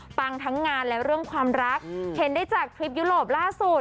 ทั้งงานและเรื่องความรักเห็นได้จากทริปยุโรปล่าสุด